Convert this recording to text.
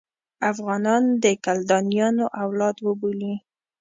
افغانان د کلدانیانو اولاد وبولي.